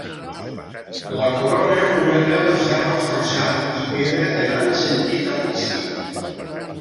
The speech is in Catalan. La corona una creu de ferro forjat i pedra de gran sentit artístic.